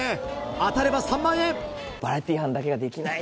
当たれば３万円。